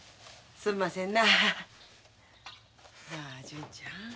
すんませんな。